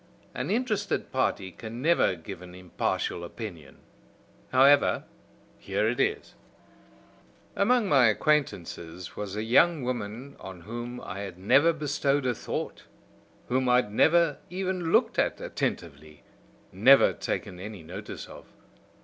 An interested party can never give an impartial opinion. However, here it is: "Among my acquaintances was a young woman on whom I had never bestowed a thought, whom I had never even looked at attentively, never taken any notice of.